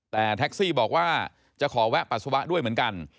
แต่แท็กซี่บอกว่าจะขอแวะปัสสาวะด้วยเหมือนกัน